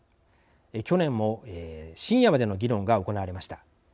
去年も、深夜までの議論が行われました。